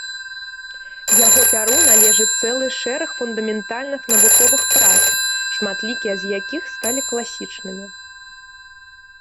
Яго пяру належыць цэлы шэраг фундаментальных навуковых прац, шматлікія з якіх сталі класічнымі.